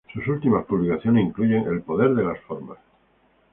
Sus últimas publicaciones incluyen "El poder de las formas.